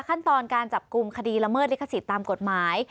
ขั้นตอนการจับกลุ่มคดีละเมิดลิขสิทธิ์ตามกฎหมาย